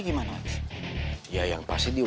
kayaknya bapak masih mau